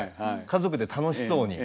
家族で楽しそうに。